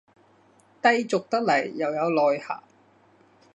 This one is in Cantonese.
低俗得來又有內涵